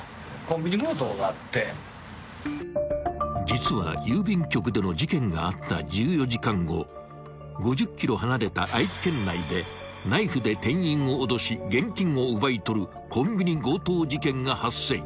［実は郵便局での事件があった１４時間後５０ｋｍ離れた愛知県内でナイフで店員を脅し現金を奪い取るコンビニ強盗事件が発生］